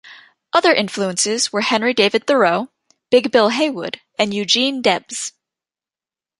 Other influences were Henry David Thoreau, Big Bill Haywood and Eugene Debs.